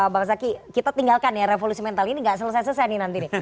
bang zaky kita tinggalkan ya revolusi mental ini gak selesai selesai nih nanti nih